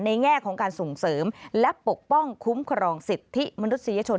แง่ของการส่งเสริมและปกป้องคุ้มครองสิทธิมนุษยชน